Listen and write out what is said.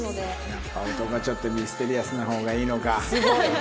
やっぱ男はちょっとミステリアスな方がいいのか。